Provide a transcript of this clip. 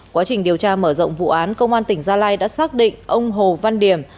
quá trình điều tra mở rộng vụ án công an tỉnh gia lai đã xác định ông hồ văn điểm